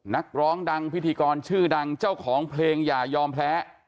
นักร้องดังพิธีกรชื่อดังเจ้าของเพลงอย่ายอมแพ้